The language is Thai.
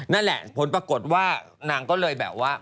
นั่นแหละผลปรากฏว่านางก็เลยแบบว่า